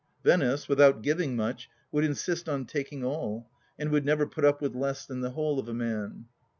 Venice, with out giving much, would insist on taking all, and would never put up with less than the whole of a man.